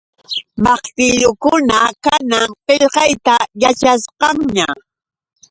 Maqtillukuna kanan qillqayta yaćhasqanña.